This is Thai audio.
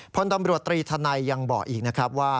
พลตำรวจตรีธนัยยังบอกอีกนะครับว่า